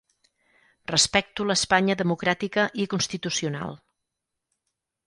Respecto l'Espanya democràtica i constitucional.